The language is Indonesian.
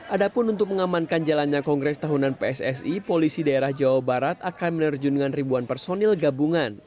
ada pun untuk mengamankan jalannya kongres tahunan pssi polisi daerah jawa barat akan menerjunkan ribuan personil gabungan